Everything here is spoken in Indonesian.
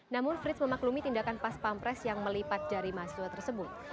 namun frits memaklumi tindakan pas pampres yang melipat jari mahasiswa tersebut